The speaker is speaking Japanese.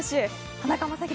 田中将大